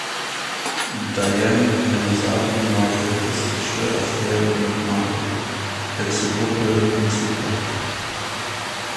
Diane hat eine sadomasochistische Affäre mit Mario, der zur Gruppe hinzukommt.